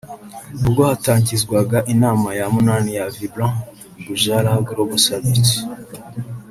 ubwo hatangizwaga inama ya munani ya "Vibrant Gujarat Global Summit"